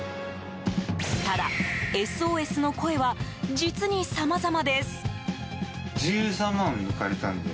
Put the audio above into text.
ただ、ＳＯＳの声は実にさまざまです。